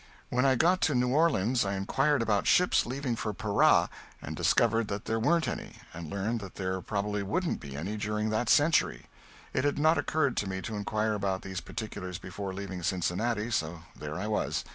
When I got to New Orleans I inquired about ships leaving for Pará and discovered that there weren't any, and learned that there probably wouldn't be any during that century. It had not occurred to me to inquire about those particulars before leaving Cincinnati, so there I was.